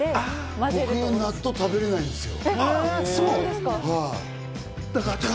僕、納豆、食べられないんですよ。